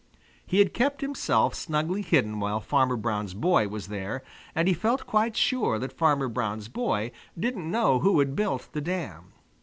He had kept himself snugly hidden while Farmer Brown's boy was there, and he felt quite sure that Farmer Brown's boy didn't know who had built the dam.